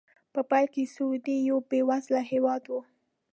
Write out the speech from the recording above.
په پیل کې سعودي یو بې وزله هېواد و.